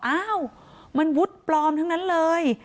อ้าวมันวุฒิปลอมทั้งนั้นเลย